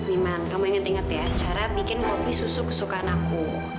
iman kamu inget inget ya cara bikin kopi susu kesukaan aku